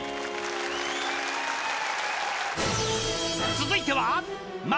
［続いては］